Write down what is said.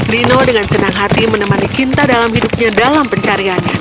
rino dengan senang hati menemani cinta dalam hidupnya dalam pencariannya